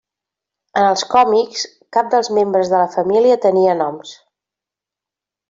En els còmics, cap dels membres de la família tenia noms.